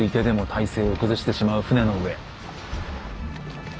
体勢を崩してしまう船の上。